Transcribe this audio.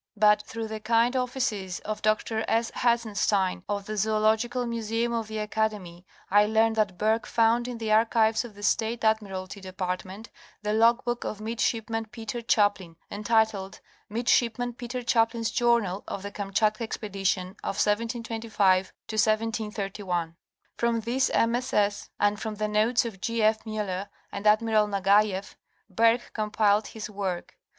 But through the kind offices of Dr. S. Hertzenstein, of the Zoological Museum of the Acad emy, I learn that Bergh found in the Archives of the State Admiralty Department the logbook of midshipman Peter Chaplin entitled, '' Mid shipman Peter Chaplin's journal of the Kamchatka expedition of 1725 1731." From this MSS and from the notes of G. F. Miller and Admiral Nagaieff, Bergh compiled his work.